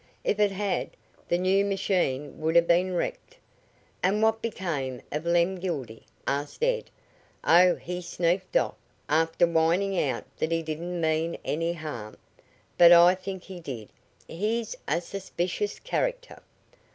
If it had, the new machine would have been wrecked." "And what became of Lem Gildy?" asked Ed. "Oh, he sneaked off, after whining out that he didn't mean any harm. But I think he did. He's a suspicious character."